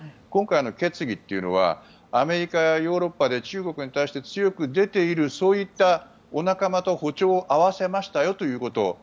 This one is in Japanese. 今回、決議というのはアメリカやヨーロッパで中国に対して強く出ているそういったお仲間と歩調を合わせましたよということ。